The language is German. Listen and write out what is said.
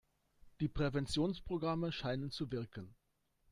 Die Präventionsprogramme scheinen zu wirken.